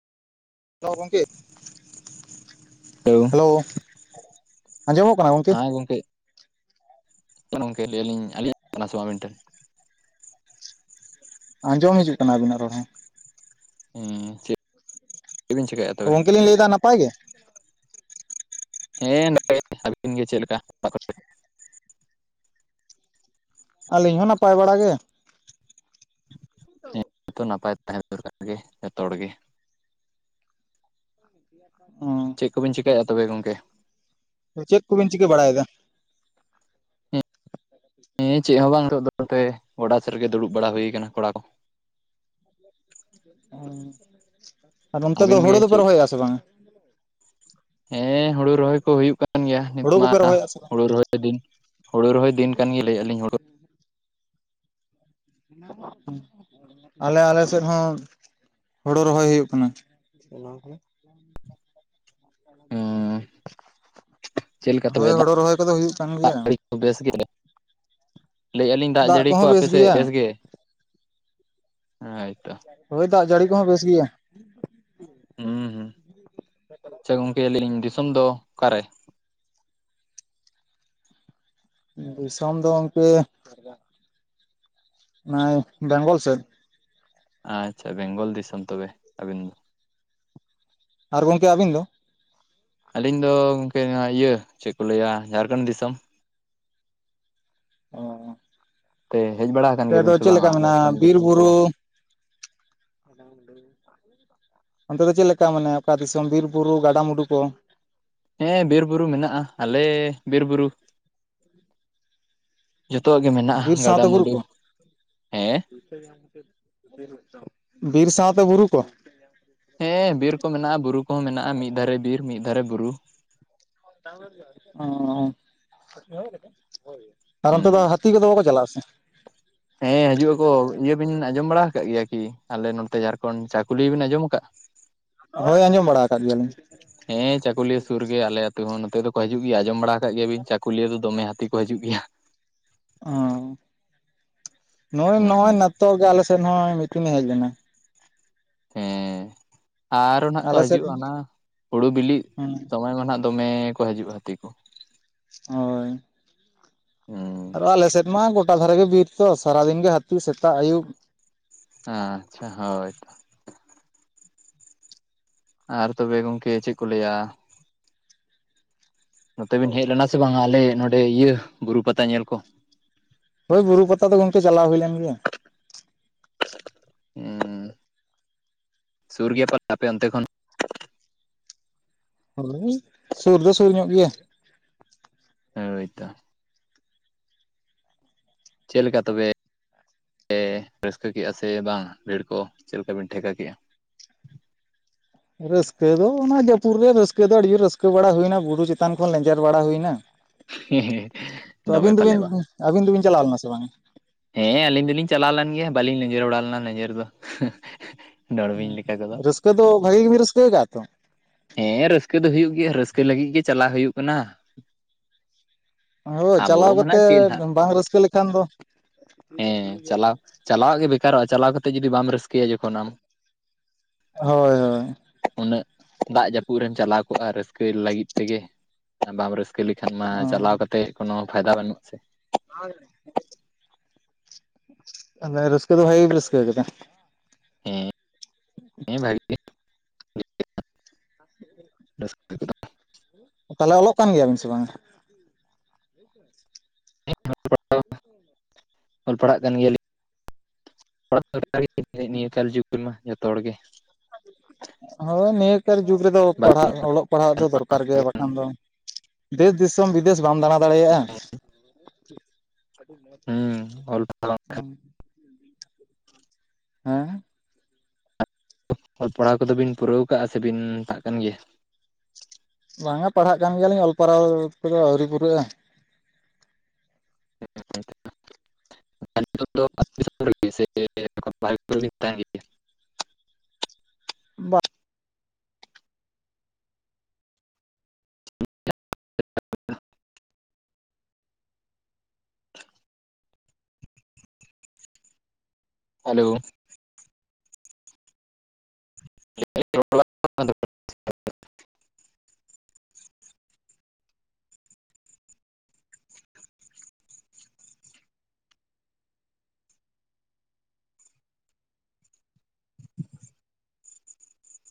ᱛᱚ ᱜᱚᱝᱠᱮ? ᱦᱮᱣ [unintelligible] ᱟᱸᱡᱚᱢᱚᱜ ᱠᱟᱱᱟ ᱜᱚ ᱦᱮᱸ ᱜᱚᱝᱠᱮ ᱜᱚᱢᱠᱮ ᱞᱟᱹᱭᱞᱤᱧ ᱟᱡᱚᱢ ᱚᱜ ᱠᱟᱱᱟ ᱥᱮ ᱵᱟᱝ ᱟᱵᱤᱱ ᱴᱷᱮᱱ ᱟᱸᱡᱚᱢ ᱦᱤᱡᱩᱜ ᱠᱟᱱᱟ ᱟᱵᱤᱱᱟᱜ ᱨᱚᱲ ᱦᱚᱸ᱾ ᱦᱮᱸ ᱪᱮᱫ ᱵᱤᱱ ᱪᱤᱠᱟᱹᱭᱮᱫᱼᱟ ᱛᱚᱵᱮ? ᱜᱚᱝᱠᱮ ᱞᱤᱧ ᱞᱟᱹᱭᱫᱟ ᱱᱟᱯᱟᱭ ᱜᱮ? ᱦᱮᱸ ᱱᱟᱯᱟᱭ ᱟᱹᱵᱤᱱ ᱜᱮ ᱪᱮᱫ ᱞᱮᱠᱟ ᱟᱹᱞᱤᱧ ᱦᱚᱸ ᱱᱟᱯᱟᱭ ᱵᱟᱲᱟ ᱜᱮ ᱾ ᱦᱮᱸ ᱛᱚ ᱱᱟᱯᱟᱭ ᱛᱟᱦᱮᱸ ᱫᱚᱨᱠᱟᱨ ᱜᱮ ᱡᱚᱛᱚ ᱦᱚᱲ ᱜᱮ᱾ ᱦᱚᱸ ᱪᱮᱜ ᱠᱚᱵᱤᱱ ᱪᱤᱠᱟᱹᱭᱟ ᱛᱚᱵᱮ ᱜᱚᱝᱠᱮ ᱾ ᱪᱮᱫ ᱠᱚᱵᱤᱱ ᱪᱤᱠᱟᱹ ᱵᱟᱲᱟᱭᱫᱟ? ᱦᱮᱸ ᱪᱮᱫ ᱦᱚᱸ ᱵᱟᱝ ᱱᱤᱛ ᱫᱚ ᱛᱮ ᱜᱚᱰᱟ ᱥᱮᱫ ᱨᱮᱜᱮ ᱫᱩᱲᱩᱵ ᱵᱟᱲᱟ ᱦᱩᱭ ᱠᱟᱱᱟ ᱠᱚᱲᱟ ᱠᱚ ᱾ ᱦᱩᱸ ᱱᱚᱱᱛᱮ ᱫᱚ ᱟᱹᱵᱤᱱ ᱜᱮ ᱦᱩᱲᱩ ᱫᱚᱯᱮ ᱪᱮᱫ? ᱨᱚᱦᱚᱭ ᱟᱜ ᱥᱮ ᱵᱟᱝᱼᱟ ᱾ ᱦᱮᱸ ᱦᱳᱲᱳ ᱨᱚᱦᱚᱭ ᱠᱚ ᱦᱩᱭᱩᱜ ᱠᱟᱱ ᱜᱮᱭᱟ ᱱᱤᱛ ᱦᱳᱲᱳ ᱢᱟ ᱠᱚᱯᱮ ᱨᱚᱦᱚᱭᱮᱫᱼᱟ ᱥᱮ ᱵᱟᱝ ᱦᱳᱲᱳ ᱨᱚᱦᱚᱭ ᱫᱤᱱ ᱾ ᱦᱳᱲᱳ ᱨᱚᱦᱚᱭ ᱫᱤᱱ ᱠᱟᱱ ᱜᱮ ᱞᱟᱹᱭ ᱟᱹᱞᱤᱧ ᱦᱳᱲᱳ ᱾ ᱚᱱᱟ ᱢᱟ ᱠᱟᱱ ᱟᱞᱮ ᱟᱞᱮ ᱥᱮᱫ ᱦᱚᱸ ᱦᱳᱲᱳ ᱨᱚᱦᱚᱭ ᱦᱳᱭᱳᱜ ᱠᱟᱱᱟ᱾ ᱪᱮᱫ ᱞᱮᱠᱟ [inaudible] ᱦᱳᱭ ᱛᱚᱵᱮ ᱫᱟᱜ ᱦᱳᱲᱳ ᱨᱚᱦᱚᱭ ᱠᱚᱫᱚ ᱦᱩᱭᱩᱜ ᱠᱟᱱ ᱜᱮᱭᱟ ᱾ ᱡᱟᱹᱲᱤ ᱵᱮᱥ ᱜᱮ ᱞᱟᱹᱭ ᱟᱹᱞᱤᱧ ᱫᱟᱜ ᱡᱟᱹᱲᱤ ᱠᱚ ᱟᱯᱮ ᱥᱮᱫ ᱵᱮᱥ ᱜᱮ? ᱦᱚᱭ ᱛᱚ᱾ ᱦᱳᱭ ᱫᱟᱜ ᱡᱟᱹᱲᱤ ᱠᱚᱦᱚᱸ ᱵᱮᱥ ᱜᱮᱭᱟ ᱾ ᱦᱩᱸᱦᱩᱸ ᱟᱪᱪᱷᱟ ᱜᱚᱝᱠᱮ ᱞᱟ. ᱭ ᱤᱧ ᱫᱤᱥᱚᱢ ᱫᱚ ᱚᱠᱟᱨᱮ? ᱫᱤᱥᱚᱢ ᱫᱚ ᱜᱚᱝᱠᱮ ᱱᱟᱭ ᱵᱮᱝᱜᱚᱞ ᱥᱮᱫ ᱟᱪᱪᱷᱟ ᱵᱮᱝᱜᱚᱞ ᱫᱤᱥᱚᱢ ᱛᱚᱵᱮ ᱟᱹᱵᱤᱱ ᱾ ᱟᱨ ᱜᱚᱝᱠᱮ ᱟᱵᱤᱱ ᱫᱚ? ᱟᱹᱞᱤᱧ ᱫᱚ ᱜᱚᱢᱠᱮ ᱱᱚᱣᱟ ᱤᱭᱟᱹ ᱪᱮᱜ ᱠᱚ ᱞᱟᱹᱭᱟ ᱡᱷᱟᱲᱠᱷᱚᱸᱰ ᱫᱤᱥᱚᱢ ᱾ ᱚ ᱛᱮ ᱦᱮᱡ ᱵᱟᱲᱟ ᱠᱟᱱ ᱫᱚ ᱜᱮᱭᱟᱵᱤᱱ ᱥᱮ ᱪᱮᱫ ᱞᱮᱠᱟ ᱵᱟᱝᱟ ᱢᱮᱱᱟᱜᱼᱟ ᱡᱷᱟᱲᱠᱷᱚᱸᱰ ᱵᱤᱨ ᱫᱤᱥᱚᱢ ᱠᱚ ᱵᱩᱨᱩ ᱾ [unintelligible] ᱚᱱᱛᱮ ᱫᱚ ᱪᱮᱞᱮᱠᱟ ᱢᱟᱱᱮ ᱚᱠᱟ ᱫᱤᱥᱚᱢ ᱵᱤᱨ ᱵᱩᱨᱩ ᱜᱟᱰᱟ ᱢᱩᱰᱩ ᱠᱚ ᱾ ᱦᱮᱸ ᱵᱤᱨ ᱵᱩᱨᱩ ᱢᱮᱱᱟᱜᱼᱟ ᱟᱞᱮ ᱵᱤᱨ ᱵᱩᱨᱩ ᱾ ᱡᱚᱛᱚᱣᱟᱜ ᱜᱮ ᱵᱤᱨ ᱢᱮᱱᱟᱜᱼᱟ ᱥᱟᱶᱛᱮ ᱵᱩᱨᱩ ᱜᱟᱰᱟᱼᱢᱩᱰᱩ ᱠᱚ ᱦᱮᱸ ᱾ [unintelligible] ᱵᱤᱨ ᱥᱟᱶᱛᱮ ᱵᱩᱨᱩ ᱠᱚ ᱦᱮᱸ ᱵᱤᱨ ᱠᱚ ᱢᱮᱱᱟᱜᱼᱟ ᱵᱩᱨᱩ ᱠᱚᱦᱚᱸ ᱢᱮᱱᱟᱜᱼᱟ ᱢᱤᱫ ᱫᱷᱟᱨᱮ ᱵᱤᱨ ᱢᱤᱫ ᱫᱷᱟᱨᱮ ᱵᱩᱨᱩ ᱾ ᱚᱻ ᱟᱨ ᱚᱱᱛᱮ ᱫᱚ ᱦᱩᱸ᱾ ᱦᱟᱹᱛᱤ ᱠᱚᱫᱚ ᱵᱟᱠᱚ ᱪᱟᱞᱟᱜᱼᱟ ᱥᱮ ᱦᱮᱸ ᱦᱟᱡᱩᱜ ᱟᱠᱚ ᱤᱭᱟᱹ ᱵᱤᱱ ᱟᱸᱡᱚᱢ ᱦᱮ ᱦᱟᱹᱡᱩ ᱟᱠᱚ ᱤᱭᱟ ᱵᱤᱱ ᱟᱡᱚᱢ ᱵᱟᱲᱟ ᱦᱟᱠᱟᱜ ᱜᱮᱭᱟ ᱠᱤ ᱟᱞᱮ ᱱᱚᱛᱮ ᱡᱷᱟᱲᱠᱷᱚᱸᱰ ᱪᱟᱠᱩᱞᱤ ᱵᱤᱱ ᱟᱸᱡᱚᱢ ᱠᱟᱜ᱾ ᱦᱳᱭ ᱟᱸᱡᱚᱢ ᱵᱟᱲᱟ ᱟᱠᱟᱜ ᱜᱮᱭᱟᱞᱤᱧ᱾ ᱦᱮᱸ ᱪᱟᱹᱠᱩᱞᱤᱭᱟᱹ ᱥᱩᱨ ᱜᱮ ᱟᱞᱮ ᱟᱹᱛᱩ ᱦᱚᱸ ᱱᱚᱛᱮ ᱫᱚᱠᱚ ᱦᱟᱡᱩᱜ ᱜᱮᱭᱟ ᱟᱸᱡᱚᱢ ᱵᱟᱲᱟ ᱦᱟᱠᱟᱜ ᱜᱮᱭᱟ ᱵᱤᱱ ᱪᱟᱠᱩᱞᱤᱭᱟᱹ ᱫᱚ ᱫᱚᱢᱮ ᱦᱟᱹᱛᱤ ᱠᱚ ᱦᱟᱡᱩᱜ ᱜᱤᱭᱟ ᱾ ᱚ ᱱᱚᱜᱚᱭ ᱦᱩᱸ᱾ ᱱᱚᱜᱚᱭ ᱱᱟᱛᱚᱜ ᱜᱮ ᱟᱞᱮᱥᱮᱱ ᱦᱚᱸ ᱢᱤᱫᱴᱤᱱ ᱮ ᱦᱮᱡ ᱞᱮᱱᱟ᱾ ᱦᱮᱸ ᱟᱨᱚ ᱱᱟᱦᱜ ᱠᱚ ᱟᱞᱮ ᱥᱮᱫ ᱦᱟᱡᱩᱜᱼᱟ ᱚᱱᱟ ᱦᱮᱸ ᱦᱩᱲᱩ ᱵᱤᱞᱤᱜ ᱫᱚᱢᱮ ᱢᱟ ᱱᱟᱦᱜ ᱫᱚᱢᱮ ᱠᱚ ᱦᱟᱡᱩᱜᱼᱟ ᱦᱟᱹᱛᱤ ᱠᱚ᱾ ᱦᱚᱸ ᱦᱩᱸ ᱟᱨ ᱟᱞᱮ ᱥᱮᱫ ᱢᱟ ᱜᱚᱴᱟ ᱫᱷᱟᱨᱮ ᱜᱮ ᱵᱤᱨ ᱛᱚ ᱥᱟᱨᱟᱫᱤᱱ ᱜᱮ ᱦᱟᱹᱛᱤ ᱥᱮᱛᱟᱜ ᱟᱹᱭᱩᱵ ᱟᱪᱪᱷᱟ ᱦᱳᱭ ᱟᱨ ᱛᱚᱵᱮ ᱜᱚᱝᱠᱮ ᱪᱮᱜ ᱠᱚ ᱞᱟᱹᱭᱟ ᱱᱚᱛᱮ ᱵᱤᱱ ᱦᱮᱡ ᱞᱮᱱᱟ ᱥᱮ ᱵᱟᱝᱟ ᱟᱞᱮ ᱱᱚᱸᱰᱮ ᱤᱭᱟᱹ ᱵᱩᱨᱩ ᱯᱟᱛᱟ ᱧᱮᱞ ᱠᱚ ᱦᱳᱭ ᱵᱩᱨᱩ ᱯᱟᱛᱟ ᱫᱚ ᱜᱚᱝᱠᱮ ᱪᱟᱞᱟᱣ ᱦᱩᱭ ᱞᱮᱱ ᱜᱮᱭᱟ᱾ ᱦᱩᱸ ᱥᱩᱨ ᱜᱮᱭᱟ ᱯᱟᱞ ᱟᱯᱮ ᱚᱱᱛᱮ ᱠᱷᱚᱱ? ᱦᱳᱭ ᱥᱩᱨ ᱫᱚ ᱥᱩᱨ ᱧᱚᱜ ᱜᱮᱭᱟ ᱦᱳᱭ ᱛᱚ ᱪᱮᱜ ᱞᱮᱠᱟ ᱛᱚᱵᱮ ᱮ ᱨᱟᱹᱥᱠᱟᱹ ᱠᱮᱜᱼᱟ ᱥᱮ ᱵᱟᱝ ᱵᱷᱤᱲ ᱠᱚ ᱪᱮᱜ ᱞᱮᱠᱟᱵᱤᱱ ᱴᱷᱮᱠᱟ ᱠᱮᱜᱼᱟ? ᱨᱟᱹᱥᱠᱟᱹ ᱫᱚ ᱚᱱᱟ ᱡᱟᱹᱯᱩᱨ ᱜᱮ ᱨᱟᱹᱥᱠᱟᱹ ᱫᱚ ᱟᱹᱰᱤ ᱡᱩᱨ ᱨᱟᱹᱥᱠᱟᱹ ᱵᱟᱲᱟ ᱦᱩᱭᱱᱟ ᱵᱩᱨᱩ ᱪᱮᱛᱟᱱ ᱠᱷᱚᱱ ᱞᱮᱸᱡᱮᱨ ᱵᱟᱲᱟ ᱦᱩᱭᱱᱟ ᱛᱚ ᱫᱚᱢᱮ ᱟᱹᱵᱤᱱ ᱯᱟᱞᱮ ᱫᱚᱵᱤᱱ ᱵᱟᱝ ᱟᱹᱵᱤᱱ ᱫᱚᱵᱤᱱ ᱪᱟᱞᱟᱣ ᱞᱮᱱᱟ ᱥᱮ ᱵᱟᱝ? ᱦᱮᱸ ᱟᱹᱞᱤᱧ ᱫᱚᱞᱤᱧ ᱪᱟᱞᱟᱣ ᱞᱮᱱ ᱜᱮᱭᱟ ᱵᱟᱹᱞᱤᱧ ᱞᱮᱡᱮᱨ ᱵᱟᱲᱟ ᱞᱮᱱᱟ ᱞᱮᱡᱮᱨ ᱫᱚ ᱰᱚᱲᱵᱤᱧ ᱞᱮᱠᱟ ᱠᱚᱫᱚ ᱨᱟᱹᱥᱠᱟᱹ ᱫᱚ ᱵᱷᱟᱹᱜᱤ ᱜᱮᱵᱤᱱ ᱨᱟᱹᱥᱠᱟᱹ ᱠᱟᱜᱼᱟ ᱛᱚ ᱦᱮᱸ ᱨᱟᱹᱥᱠᱟᱹ ᱫᱚ ᱦᱩᱭᱩᱜ ᱜᱮᱭᱟ ᱨᱟᱹᱥᱠᱟᱹ ᱞᱟᱹᱜᱤᱜ ᱜᱮ ᱪᱟᱞᱟ ᱦᱩᱭᱩᱜ ᱠᱟᱱᱟ᱾ ᱦᱳᱭ ᱟᱵᱚ ᱪᱟᱞᱟᱣ ᱢᱟ ᱱᱟᱜ ᱪᱮᱫ ᱠᱟᱛᱮᱜ ᱱᱟᱜ ᱵᱟᱝ ᱨᱟᱹᱥᱠᱟᱹ ᱞᱮᱠᱷᱟᱱ ᱫᱚ ᱦᱮᱸ ᱪᱟᱞᱟᱜ ᱪᱟᱞᱟᱜ ᱜᱮ ᱵᱮᱠᱟᱨᱚᱜᱼᱟ ᱪᱟᱞᱟᱣ ᱠᱟᱦᱟᱛᱮᱜ ᱡᱩᱫᱤ ᱵᱟᱢ ᱨᱟᱹᱥᱠᱟᱹᱭᱟ ᱡᱚᱠᱷᱚᱱ ᱟᱢ ᱦᱳᱭ ᱩᱱᱟᱹᱜ ᱫᱟᱜ ᱡᱟᱹᱯᱩᱜ ᱨᱮᱢ ᱪᱟᱞᱟᱣ ᱠᱚᱜᱼᱟ ᱨᱟᱹᱥᱠᱟᱹᱭ ᱞᱟᱹᱜᱤᱫ ᱛᱮᱜᱮ ᱟᱱ ᱵᱟᱢ ᱨᱟᱹᱥ [inaudible] ᱦᱳᱭ ᱪᱟᱞᱟᱣ ᱠᱟᱛᱮᱜ ᱠᱳᱱᱳ ᱯᱷᱟᱭᱫᱟ ᱵᱟᱹᱱᱩᱜ ᱥᱮ ᱟᱨ ᱢᱟᱱᱮ ᱨᱟᱹᱥᱠᱟᱹ ᱫᱚ ᱵᱷᱟᱹᱜᱮ ᱜᱮ ᱯᱮ ᱨᱟᱹᱥᱠᱟᱹ ᱠᱟᱫᱟ? [inaudible] [unintelligible] [inaudible] ᱛᱟᱦᱚᱞᱮ ᱚᱞᱚᱜ ᱠᱟᱱ ᱜᱮᱭᱟᱢ ᱥᱮ ᱵᱟᱝᱟ? [unintelligible] [inaudible] ᱚᱞ ᱯᱟᱲᱦᱟᱜ ᱠᱟᱱ ᱜᱮᱭᱟᱹᱞᱤᱧ [inaudible] ᱱᱤᱭᱟᱹ ᱠᱟᱹᱨᱡᱚ ᱠᱦᱚᱱ ᱡᱚᱛᱚ ᱦᱚᱲᱜᱮ ᱦᱳᱭ ᱱᱤᱭᱟᱹᱠᱟᱨ ᱡᱩᱜᱽ ᱨᱮᱫᱚ ᱯᱟᱲᱦᱟᱜ ᱚᱞᱚᱜ ᱯᱟᱲᱦᱟᱜ ᱫᱚ ᱫᱚᱨᱠᱟᱨ ᱜᱮᱭᱟ ᱵᱟᱠᱷᱟᱱ ᱫᱚ ᱫᱮᱥ ᱫᱤᱥᱚᱢ ᱵᱤᱫᱮᱥ ᱵᱟᱢ ᱫᱟᱬᱟ ᱫᱟᱲᱮᱭᱟᱜᱼᱟ ᱦᱩᱸ ᱚᱞ [unintelligible] ᱦᱮᱸ ᱚᱞ ᱯᱟᱲᱦᱟᱣ ᱠᱚᱫᱚ ᱵᱤᱱ ᱯᱩᱨᱟᱹᱣ ᱠᱟᱜᱟ ᱥᱮ ᱵᱤᱱ ᱯᱟᱲᱷᱟᱜ ᱠᱟᱱ ᱜᱮᱭᱟ? ᱵᱟᱝᱟ ᱯᱟᱲᱦᱟᱜ ᱠᱟᱱ ᱜᱮᱭᱟᱞᱤᱧ ᱚᱞ ᱯᱟᱨᱦᱟᱣ ᱠᱚᱫᱚ ᱟᱹᱣᱨᱤ ᱯᱩᱨᱟᱹᱜᱼᱟ [inaudible] [inaudible] [inaudible] ᱵᱟ ᱦᱮᱞᱳ᱾ [inaudible]